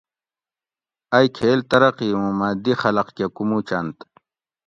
ائی کھیل ترقی اوں مۤہ دی خلۤق کہ کُوموچنت